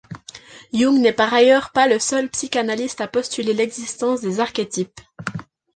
Jung n'est par ailleurs pas le seul psychanalyste à postuler l'existence des archétypes.